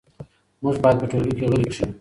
موږ باید په ټولګي کې غلي کښېنو.